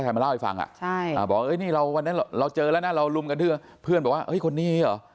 เฮ้ยวันนั้นเราเจอแล้วนะเราลุมกันด้วยเพื่อนบอกว่าเฮ้ยคนนี้เหรอ